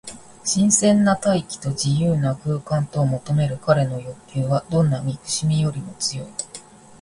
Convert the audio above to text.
新鮮な大気と自由な空間とを求めるかれの欲求は、どんな憎しみよりも強い。